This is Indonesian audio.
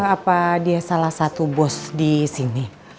apa dia salah satu bos di sini